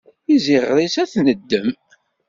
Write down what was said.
Iziɣer-is ad t-neddem.